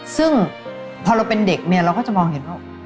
ซึ่งพอเราเป็นเด็กเนี่ยเราก็จะมองเห็นว่า